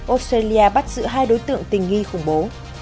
australia bắt giữ hai đối tượng tình nghi khủng bố